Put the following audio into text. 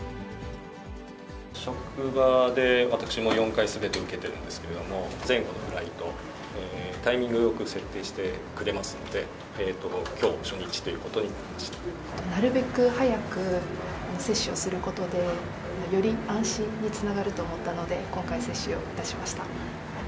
職場で私も４回、すべて受けてるんですけれども、前後のフライト、タイミングよく設定してくれますので、きょう初日ということにななるべく早く接種をすることで、より安心につながると思ったので、今回、接種をいたしました。